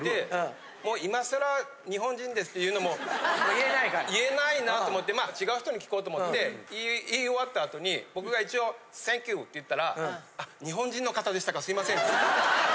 今さら日本人ですっていうのも言えないなと思って、違う人に聞こうと思って、言い終わったあとに、僕が一応、あっ、日本人の方でしたか、すみませんって。